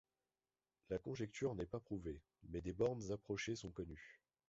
La conjecture n'est pas prouvée, mais des bornes approchées sont connues.